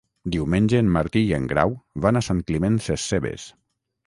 Diumenge en Martí i en Grau van a Sant Climent Sescebes.